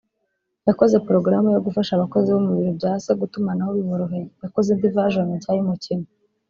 yakoze porogaramu yo gufasha abakozi bo mu biro bya se gutumanaho biboroheye ; yakoze indi version nshya y’umukino